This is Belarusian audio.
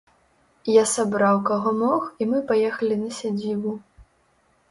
Я сабраў, каго мог, і мы паехалі на сядзібу.